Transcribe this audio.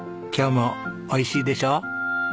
今日もおいしいでしょ？